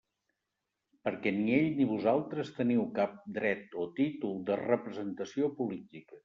Perquè ni ell ni vosaltres teniu cap dret o títol de representació política.